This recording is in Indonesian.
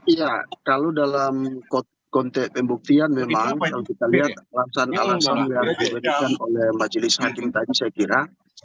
iya kalau dalam konteks pembuktian memang kalau kita lihat alasan alasan yang diberikan oleh majelis hakim tadi saya kira